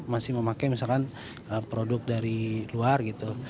masih memakai misalkan produk dari luar gitu